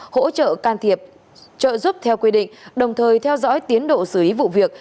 hỗ trợ can thiệp trợ giúp theo quy định đồng thời theo dõi tiến độ xử lý vụ việc